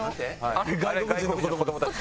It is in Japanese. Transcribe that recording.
あれ外国人の子どもたち。